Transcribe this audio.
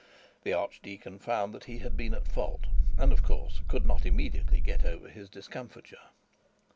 The archdeacon found that he had been at fault, and of course could not immediately get over his discomfiture.